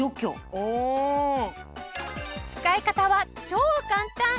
使い方は超簡単！